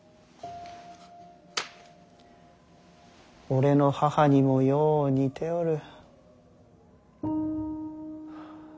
俺の母にもよう似ておる。